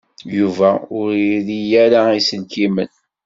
Yuba ur iri ara iselkimen.